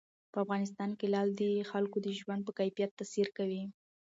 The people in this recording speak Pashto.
په افغانستان کې لعل د خلکو د ژوند په کیفیت تاثیر کوي.